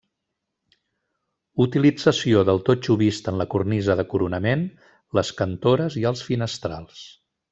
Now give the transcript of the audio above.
Utilització del totxo vist en la cornisa de coronament, les cantores i els finestrals.